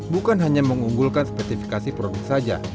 bukan hanya mengunggulkan spesifikasi produk saja